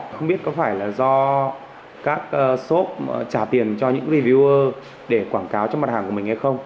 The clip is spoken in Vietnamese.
không biết có phải là do các shop trả tiền cho những video để quảng cáo cho mặt hàng của mình hay không